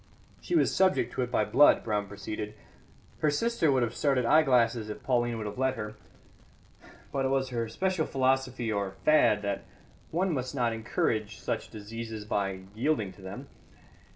"She was subject to it by blood," Brown proceeded. "Her sister would have started eyeglasses if Pauline would have let her; but it was her special philosophy or fad that one must not encourage such diseases by yielding to them.